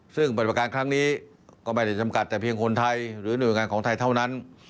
ซึ่งปฏิบัติการครั้งนี้ก็ไม่ได้จำกัดแต่เพียงคนไทยหรือหน่วยงานของไทยเท่านั้น